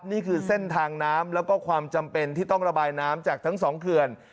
นี่คือเส้นทางน้ำแล้วก็ความจำเป็นที่ต้องระบายน้ำจากทั้งสองเขื่อน